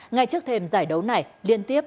ngay trước thêm giải đấu này liên tiếp